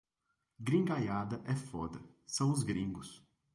Gringaiada é foda, são os gringos